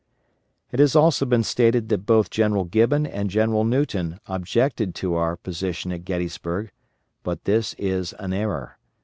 It has also been stated that both General Gibbon and General Newton objected to our position at Gettysburg, but this is an error.